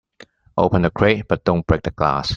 Open the crate but don't break the glass.